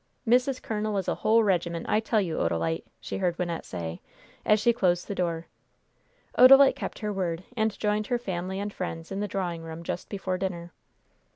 "Mrs. Colonel is a whole regiment, I tell you, Odalite!" she heard Wynnette say, as she closed the door. Odalite kept her word, and joined her family and friends in the drawing room just before dinner.